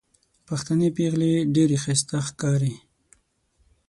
پښتنې پېغلې ډېرې ښايستې ښکاري